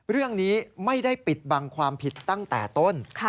เรื่องนี้ไม่ได้ปิดบังความผิดตั้งแต่ต้น